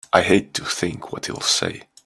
I hate to think what he'll say!